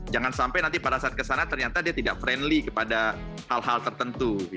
jangan sampai nanti pada saat kesana ternyata dia tidak friendly kepada hal hal tertentu